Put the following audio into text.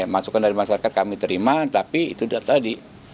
masukan dari masyarakat kami terima tapi itu tadi